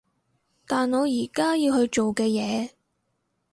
但我而家要去做嘅嘢